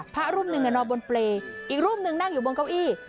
พระรูปหนึ่งนอนบนเปรย์อีกรูปหนึ่งนั่งอยู่บนเก้าอี้